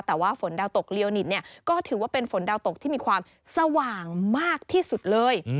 แต่ว่าฝนดาวตกเลียวนิตเนี่ยก็ถือว่าเป็นฝนดาวตกที่มีความสว่างมากที่สุดเลย